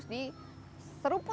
sampai ketemu di video selanjutnya